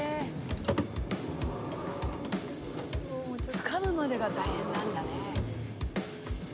つかむまでが大変なんだね。